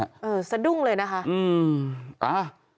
อาหะ